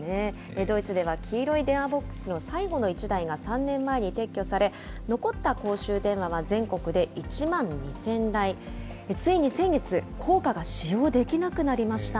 ドイツでは黄色い電話ボックスの最後の一台が３年前に撤去され、残った公衆電話は全国で１万２０００台、ついに先月、硬貨が使用できなくなりました。